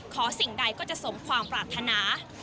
สิ่งใดก็จะสมความปรารถนา